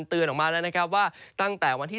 ออกมาแล้วนะครับว่าตั้งแต่วันที่๑